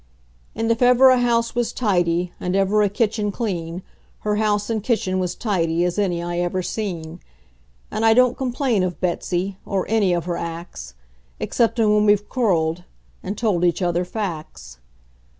And if ever a house was tidy, and ever a kitchen clean, Her house and kitchen was tidy as any I ever seen; And I don't complain of Betsey, or any of her acts, Exceptin' when we've quarreled, and told each other facts.